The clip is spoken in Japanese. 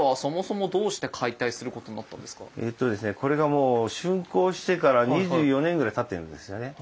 これがもう竣工してから２４年ぐらいたってるんですよね。